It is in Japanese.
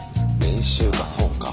練習かそうか。